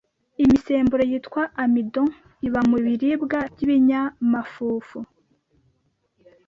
imisemburo yitwa amidon iba mu biribwa by’ibinyamafufu